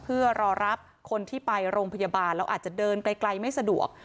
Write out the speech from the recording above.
เพื่อรอรับคนที่ไปโรงพยาบาลแล้วอาจจะเดินไกลไม่สะดวก